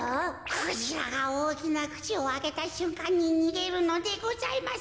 クジラがおおきなくちをあけたしゅんかんににげるのでございます。